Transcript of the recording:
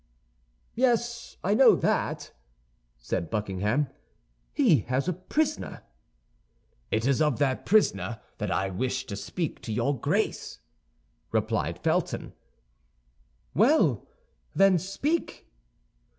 "Yes, I know that," said Buckingham; "he has a prisoner." "It is of that prisoner that I wish to speak to your Grace," replied Felton. "Well, then, speak!"